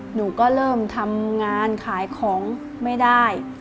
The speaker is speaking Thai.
หนูก็เริ่มทำงานขายของไม่ได้